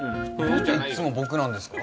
何でいっつも僕なんですか？